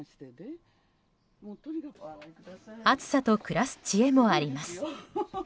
暑さと暮らす知恵もあります。